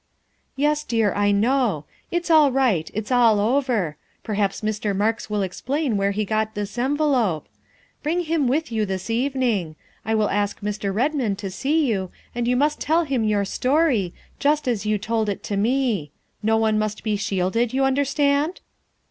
" Yes, dear, I know. It's all right it's all over. Perhaps Mr. Marks will explain where he got this enve lope. Bring him with you this evening. I will ask Mr. Redmond to see you and you must tell him your story, just as you told it to me. No one must be shielded, you understand?"